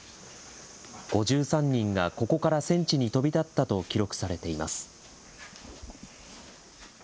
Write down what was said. ５３人がここから戦地に飛び立ったと記録されています。